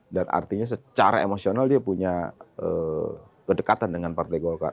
dan artinya secara emosional dia punya kedekatan dengan partai golkar